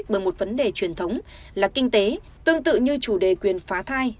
bởi một vấn đề truyền thống là kinh tế tương tự như chủ đề quyền phá thai